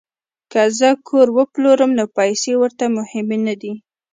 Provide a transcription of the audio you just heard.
که زه کور وپلورم نو پیسې ورته مهمې نه دي